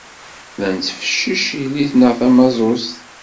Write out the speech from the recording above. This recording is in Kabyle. La nettfeccic yelli-tneɣ tamaẓuzṭ.